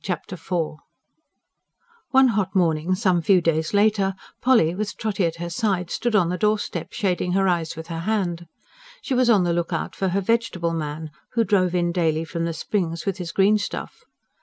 Chapter IV One hot morning some few days later, Polly, with Trotty at her side, stood on the doorstep shading her eyes with her hand. She was on the look out for her "vegetable man," who drove in daily from the Springs with his greenstuff.